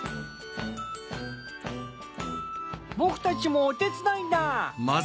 僕たちもお手伝いだ！